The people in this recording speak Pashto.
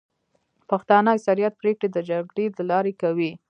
پښتانه اکثريت پريکړي د جرګي د لاري کوي.